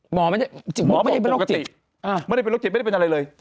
หมอไม่ได้เป็นรกจิตไม่ได้เป็นรกจิตไม่ได้เป็นอะไรเลย